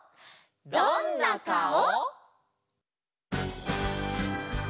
「どんなかお」！